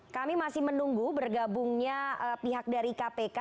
kami masih menunggu bergabungnya pihak dari kpk